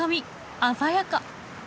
鮮やか！